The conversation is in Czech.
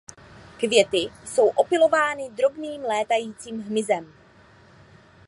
Květy jsou opylovány drobným létajícím hmyzem.